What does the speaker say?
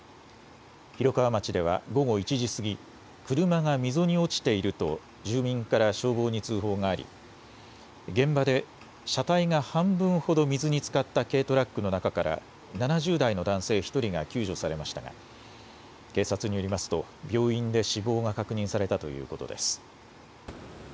広川町では午後１時過ぎ、車が溝に落ちていると、住民から消防に通報があり、現場で車体が半分ほど水につかった軽トラックの中から、７０代の男性１人が救助されましたが、警察によりますと、病院で死亡が確認されたということです。